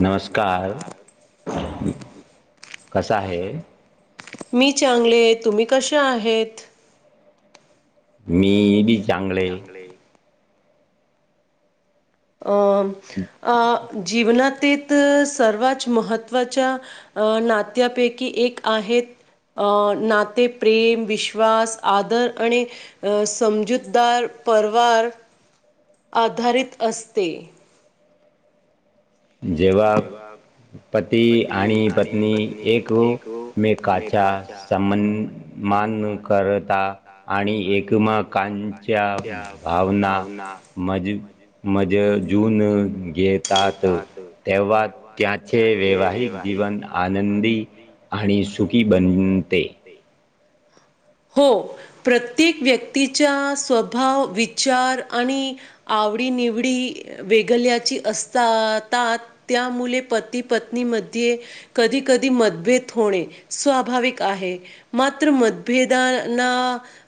नमस्कार कसा आहे? मी चांगले तुम्ही कशे आहेत? मी चांगले अं अ जीवनात ते तर सर्वात महत्त्वाच्या अ नात्यापैकी एक आहेत. अ नाते प्रेम, विश्वास, आदर आणि अ समजूतदार परवार आधारीत असते. जेव्हा पती आणि पत्नी एक हो मेकांच्या समन्मान करता आणि एकमेकांच्या भावना मज मज जून घेतात. तेव्हा त्याचे वैवाहिक जीवन आनंदी आणि सुखी बनते. हो प्रत्येक व्यक्तीच्या स्वभाव, विचार आणि आवडी निवडी वेगल्याची असतातात. त्यामुले पती पत्नीमध्ये कधी, कधी मतभेद होणे स्वाभाविक आहे. मात्र मतभेदाना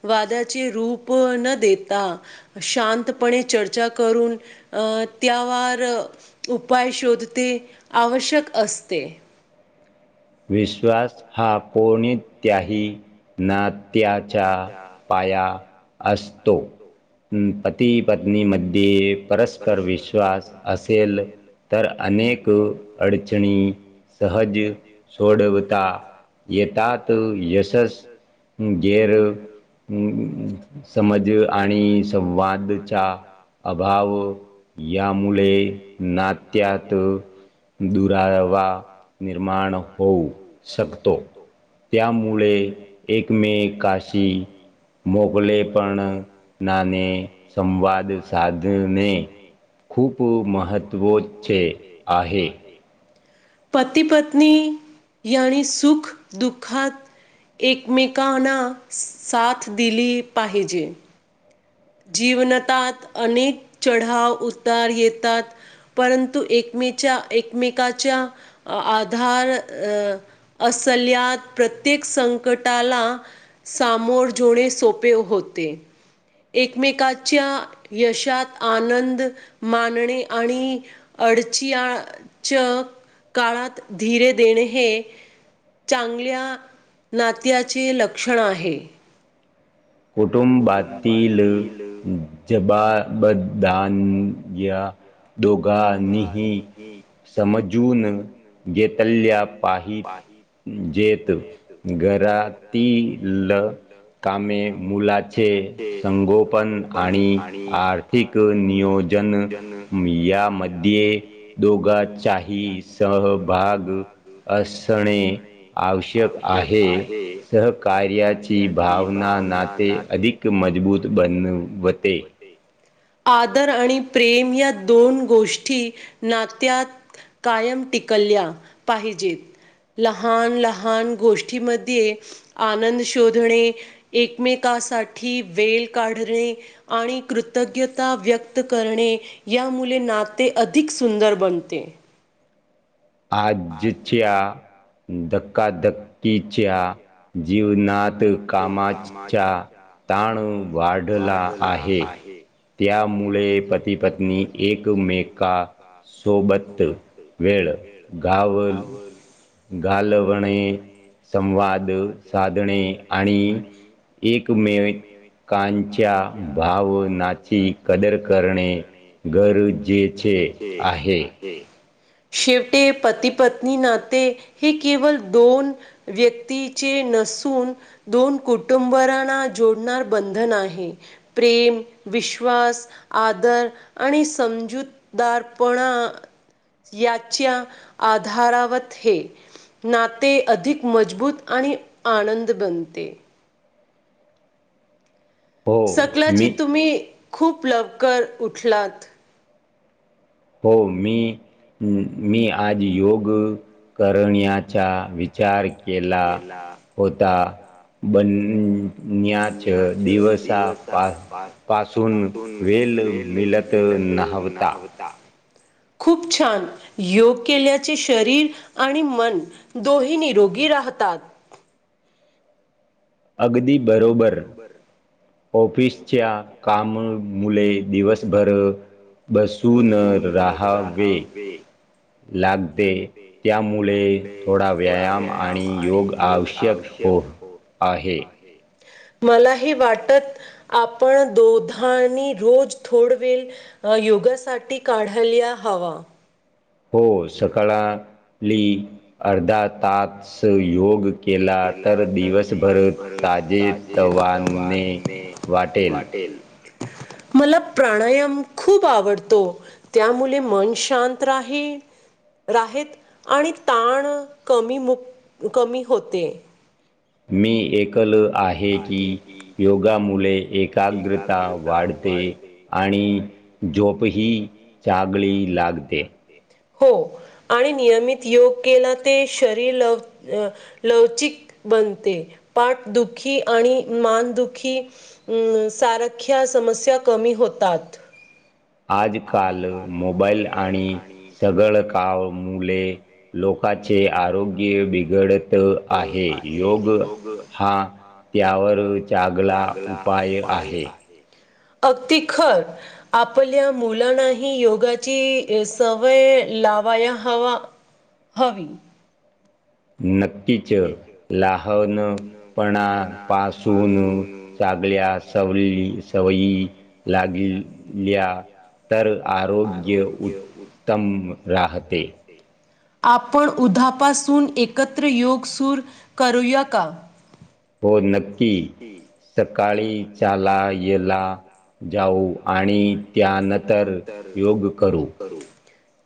वादाचे रूप न देता, शांतपणे चर्चा करून अ त्यावर उपाय शोध ते आवश्यक असते. विश्वास हा कोणत्याही नात्यात च्या पाया असतो. हं पती पत्नीमध्ये परस्पर विश्वास असेल तर अनेक अडचणी सहज सोडवता येतात. यशस गैर अ समज आणि संवा संवादचा अभाव यामुळे नात्यात दुरावा निर्माण होऊ शकतो. त्यामुळे एकमेकाशी मोकले पण नाणे संवाद साधने खूप महत्त्वचे आहे. पती पत्नी यांनी सुख दुःखात एकमेकांना साथ दिली पाहिजे. जीवनतात अनेक चढाव उतार येतात, परंतु एकमेच्या एकमेकाच्या आधार अं असल्यात प्रत्येक संकटाला सामोर जोने सोपे होते. एकमेकाच्या यशात आनंद मानणे आणि अडचियाच्या काळात धीरे देणे हे चांगल्या नात्याचे लक्षण आहे. कुटुंबातील जबाबदान या दोघांनीही समजून घेतल्या पाहीजेत. घरातील कामे मुलाचे संगोपन आणि आर्थिक नियोजन यामध्ये दोघांचाही सहभाग असणे आवश्यक आहे. सहकार्याची भावना ना ते अधिक मजबूत बनवते. आदर आणि प्रेम या दोन गोष्टी नात्यात कायम टिकल्या पाहिजेत लहान लहान गोष्टीमध्ये आनंद शोधणे एकमेकासा ठी वेल काढणे आणि कृतज्ञता व्यक्त करणे यामुले नाते अधिक सुंदर बनते. आजच्या धक्का धक्कीच्या जीवना त कामाचा ताण वाढला आहे त्यामुळे पती पत्नी एकमेका सोबत वेळ घालवणे संवाद साधणे. आणि एकमेकांच्या भावनेचे कदर करणे गरजेचे आहे. शेवटी पतीपत्नी नाते हे केवळ दोन व्यक्तीचे नसून दोन कुटुंबना जोडणार बंधन आहे प्रेम विश्वास आदर आणि समजूतदारपणा याच्या आधारावत हे नाते अधिक मजबूत आणि आनं द बनते सकलाची तुम्ही खूप लवकर उठलात. हो मी मी आज योग करण्याचा विचार केला होता बन्याच दिवसापासून वेळ मिळत नव्हता. खूप छान योग केल्याचे शरीर आणि मन दोही निरोगी राहत तात अगदी बरोबर ऑफिसच्या काम मुले दिवस भर बसून राहावे लागते त्यामुळे थोडा व्यायाम आणि योग आवश्यक हो आहे. मलाही वाटत आपण दोधानी रोज थोडवेल अ योगासाठी काढयला हवा. हो सकाळली अर्धा तास योग केला तर दिवसभर ताजे तव्हाने वाटेल. मला प्राणायाम खूप आवडतो त्यामुळे मन शांत राही राहत आणि ताण कमी हो ते. मी एकल आहे की योगा मुले एकाग्रता वाढते आणि झोपही चांगली लागते. हो आणि नियमित योग केला ते शरीर लवचिक बनते पाठ दु खी आणि मानदुखी सारख्या समस्या कमी होतात. आजकाल मोबाईल आणि सगळं काम मुले लोकांचे आरोग्य बिघड त आहे योग हा त्यावर चांगला उपाय आहे. अगदी खर आपल्या मुलांनाही योगाची सवय लावाया हवा हवी. न कीच लहानपणापासून चांगल्या सवली सवयी लागल्या. तर आरोग्य उत्तम राहते आपण उध्हापासून एकत्र योगसूर करूया का हो नक्की सकाळी चला येला जाऊ आणि त्यान तर योग करू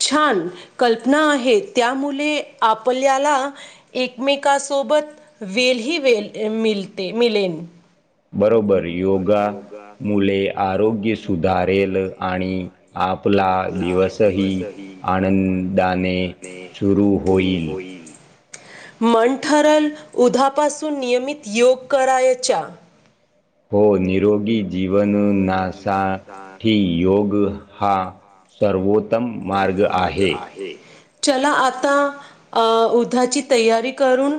छान कल्पना आहे त्यामुळे आपल्याला एकमेकसोबत वेलही व मिते मिळेन बरोबर योगा मुले आरोग्य हे सुधारेल आणि आप आपला दिवसही आनंदाने सुरू होईल मन ठरल उध्हापासून नियमित योग करायच्या हो निरोगी जीवननासाठी योग हा सर्वो उत्तम मार्ग आहे चला आता उधाची तयारी करून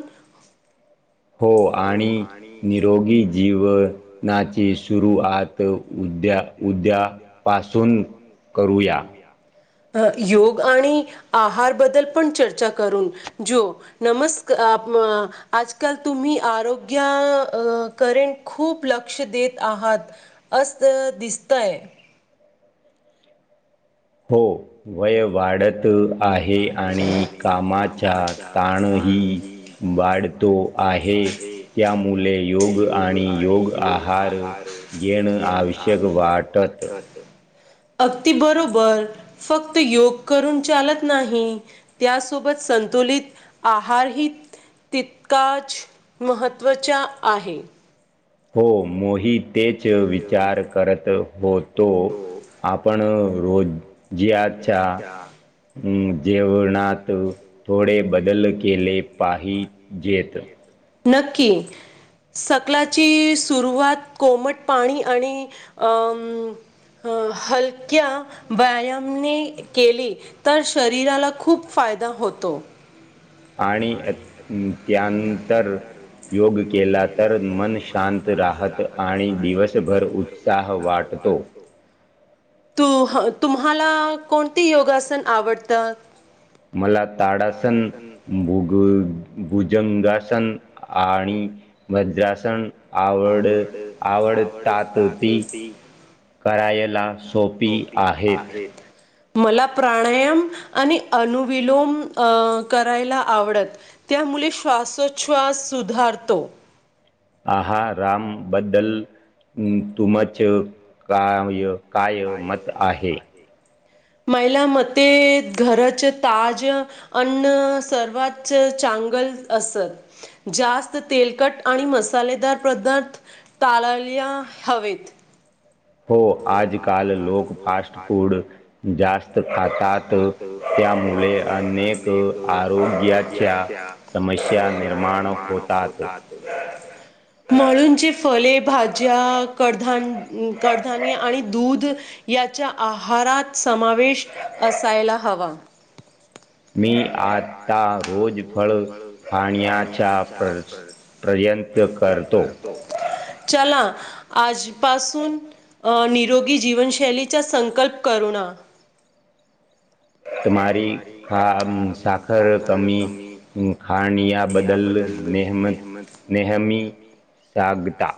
हो आणि निरोगी जीवनाची सुरुवात उद्या उद्यापासून करूया योग आणि आहारबद्दल पण चर्चा करून जो नमस्कार आजकाल तुम्ही आरोग्या करेन खूप लक्ष देत आहात अस दिसतं आहे हो वय वाढत आहे आणि कामाचा ताणही वाढतो आहे त्यामुळेले योग आणि योग आहार येणं आवश्यक वाटत अगदी बरोबर फक्त योग करून चालत नाही त्यासोबत संतुलित आहार ही तितकाच महत्वाचा आहे हो मोहित तेच विचार करत होतो आपण रोज्याच्या जेवणात थोडे बदल केले पाहिजेत नक्की सकालाची सुरुवात कोमट पाणी आणि हलक्या व्यायामाने केले तर शरीराला खूप फायदा होतो. आणि त्यानंतर योग केला तर मन शांत राहत आणि दिवसभर उत्साह वाढतो तु तुम्हाला कोणते योगासन आवडतात मला ताडासण भुग गु भुजंगासन आणि मद्रासन आवड आवडतात ते परायण लास् सोपी आहेत. मला प्राणायाम आणि अनुविलोम अ करायला आवडत. त्यामुळे श्वासोच्वास सुधारतो. आहा राम बद्दल तुमच काय काय मत आहे? महिला मते घराचे ताज अन्न सर्वात चांगल असत जास्त तेलकट आणि मसालेदार पदार्थ टाळायला हवेत. हो आजकाल लोक फास्ट फूड जास्त खातात त्यामुळे अनेक आरोग्याच्या समस्या निर्माण होतात म्हणून जे फले, भाज्या, कडधान, कडधाने आणि दूध याच्या आहारात समावेश असायला हवा. मी आता रोज फळ खाण्याचा प्रयत्न करतो. चला. आज पासून निरोगी जीवनशैलीचा संकल्प करु ना. णारी खा साखर कमी खानिया बदल नेहमत नेहमी सागता.